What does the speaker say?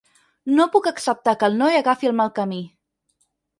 No puc acceptar que el noi agafi el mal camí.